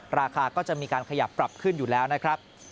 ราคาก็จะมีการขยับปรับขึ้นอยู่แล้วนะครับ